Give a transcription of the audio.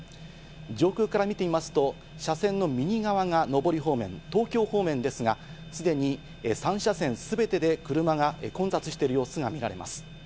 上空から見てみますと、車線の右側が上り方面、東京方面ですが、すでに３車線全てで車が混雑している様子が見られます。